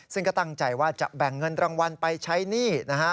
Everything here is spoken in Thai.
ซึ่งก็ตั้งใจว่าจะแบ่งเงินรางวัลไปใช้หนี้นะฮะ